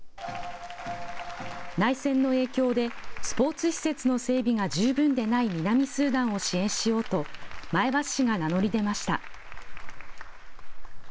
内戦の影響でスポーツ施設の整備が十分でない南スーダンを支援しようと前橋市が名乗り出ました。